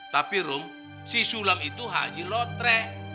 tapi rum si sulam itu haji lotre